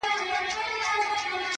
یوه بله خبره هم ده